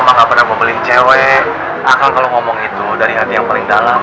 aku pernah ngomong cewek aku kalau ngomong itu dari hati yang paling dalam